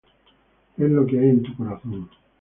Es lo que hay en tu corazón.